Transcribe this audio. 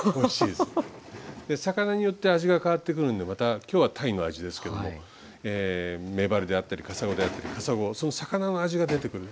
で魚によって味が変わってくるんでまた今日はたいの味ですけどもめばるであったりかさごであったりその魚の味が出てくる。